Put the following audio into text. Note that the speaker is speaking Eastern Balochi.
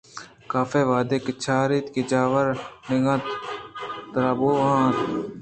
کاف ءَوہدے کہ چاراِت کہ جاور نگیگ تربوہان اَنت